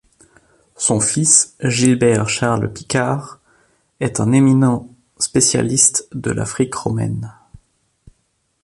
Son fils Gilbert Charles-Picard est un éminent spécialiste de l'Afrique romaine.